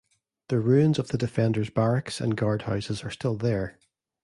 The ruins of the defenders' barracks and guardhouses are still there.